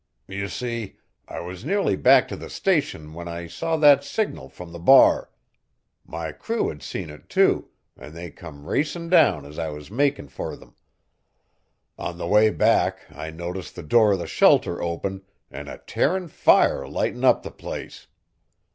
"You see, I was nearly back t' the Station when I saw that signal frum the bar. My crew had seen it, too, an' they come racin' down as I was makin' fur them. On the way back I noticed the door o' the shelter open an' a tearin' fire lightin' up the place.